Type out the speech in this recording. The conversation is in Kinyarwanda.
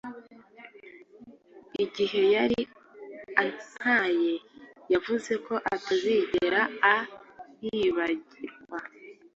Igihe yari antaye, yavuze ko atazigera aibagirwa.